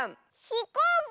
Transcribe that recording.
ひこうき。